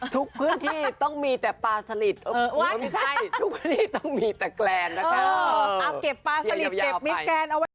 ทุกพื้นที่ต้องมีแต่ปลาสลิดไม่ใช่ทุกพื้นที่ต้องมีแต่แกลล์ดัะค่ะ